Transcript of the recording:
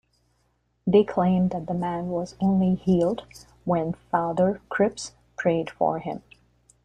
They claim that the man was only healed when Father Cripps prayed for him.